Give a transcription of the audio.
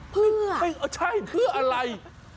เพื่อใช่เพื่ออะไร